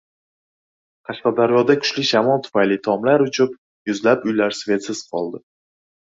Qashqadaryoda kuchli shamol tufayli tomlar uchib, yuzlab uylar “svetsiz” qoldi